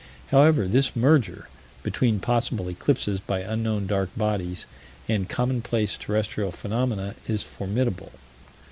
However, this merger between possible eclipses by unknown dark bodies and commonplace terrestrial phenomena is formidable.